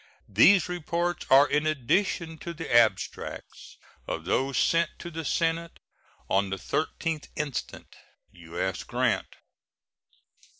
These reports are in addition to the abstracts of those sent to the Senate on the 13th instant. U.S. GRANT.